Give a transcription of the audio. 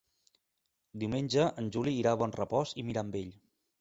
Diumenge en Juli irà a Bonrepòs i Mirambell.